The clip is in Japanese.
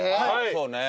そうね。